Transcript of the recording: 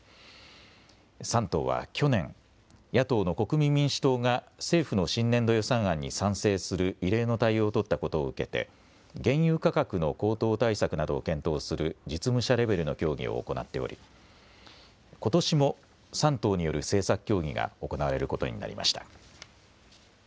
３党は去年、野党の国民民主党が政府の新年度予算案に賛成する異例の対応を取ったことを受けて原油価格の高騰対策などを検討する実務者レベルの協議を行っておりことしも３党による政策協議が行われることになりました。